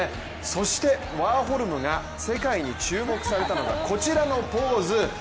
そして、ワーホルムが世界に注目されたのはこちらのポーズ。